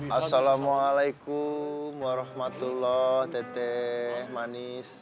assalamualaikum warahmatullah teteh manis